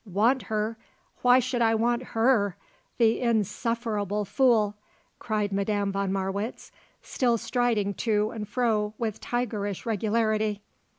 "Want her! Why should I want her! The insufferable fool!" cried Madame von Marwitz still striding to and fro with tigerish regularity.